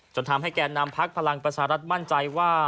จนทำให้แก่นำพักพลังประชารัฐมั่นใจว่า